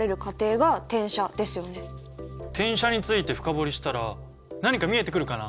転写について深掘りしたら何か見えてくるかな？